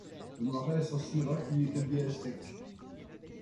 Le marin s’assura qu’il était bien sec.